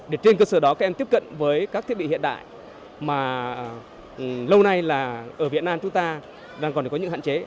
để trên cơ sở đó các em tiếp cận với các thiết bị hiện đại mà lâu nay là ở việt nam chúng ta đang còn có những hạn chế